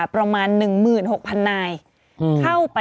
มีสารตั้งต้นเนี่ยคือยาเคเนี่ยใช่ไหมคะ